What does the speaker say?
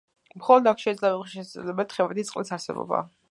მხოლოდ აქ შეიძლება იყოს შესაძლებელი თხევადი წყლის არსებობა.